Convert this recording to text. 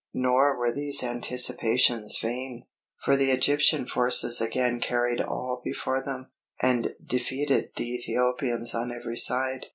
Nor were these anticipations vain; for the Egyptian forces again carried all before them, and defeated the Ethiopians on every side.